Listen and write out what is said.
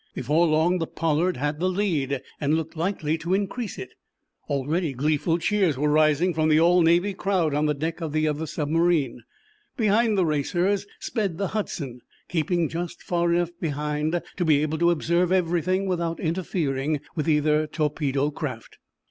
Before long the "Pollard" had the lead, and looked likely to increase it. Already gleeful cheers were rising from the all Navy crowd on the deck of the other submarine. Behind the racers sped the "Hudson," keeping just far enough behind to be able to observe everything without interfering with either torpedo craft.